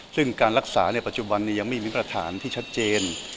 ซึ่งการรักษาปัจจุบันยังไม่มีประธานที่ชัดเจน